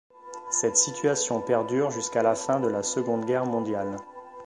Cette situation perdure jusqu'à la fin de la Seconde Guerre mondiale.